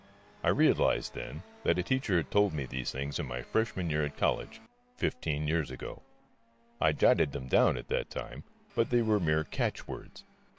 I realized, then, that a teacher had told me these things in my freshman year at college fifteen years ago. I jotted them down at that time, but they were mere catchwords.